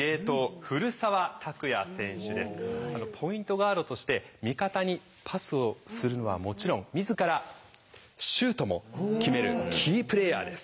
ガードとして味方にパスをするのはもちろん自らシュートも決めるキープレーヤーです。